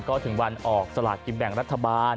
ก็ถึงวันออกสลากกินแบ่งรัฐบาล